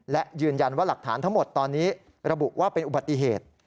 และยืนยันว่าหลักฐานทั้งหมดตอนนี้ระบุว่าเป็นอุบัติเหตุ